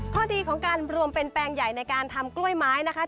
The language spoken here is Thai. ข้อดีของการรวมเป็นแปลงใหญ่ในการทำกล้วยไม้นะคะ